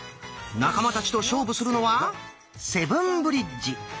仲間たちと勝負するのは「セブンブリッジ」。